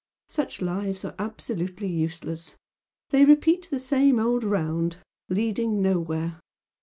Such lives are absolutely useless, they repeat the same old round, leading nowhere.